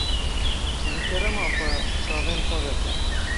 Ji kerema xwe, çavên xwe veke.